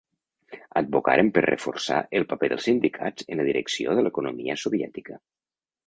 Advocaren per reforçar el paper dels sindicats en la direcció de l'economia soviètica.